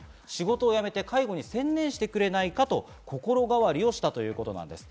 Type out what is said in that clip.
仕事を辞めて介護に専念してくれないかと心変わりをしたということです。